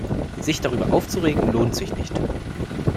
Sich darüber aufzuregen, lohnt sich nicht.